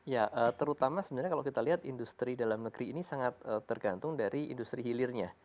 ya terutama sebenarnya kalau kita lihat industri dalam negeri ini sangat tergantung dari industri hilirnya